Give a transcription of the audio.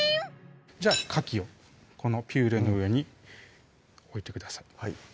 じゃあかきをこのピューレの上に置いてください